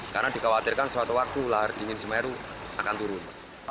karena dikhawatirkan suatu waktu lahar dingin semeru akan turun